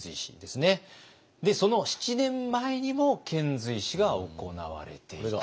その７年前にも遣隋使が行われていた。